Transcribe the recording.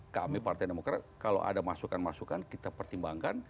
kami partai demokrat kalau ada masukan masukan kita pertimbangkan